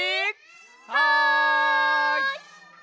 はい！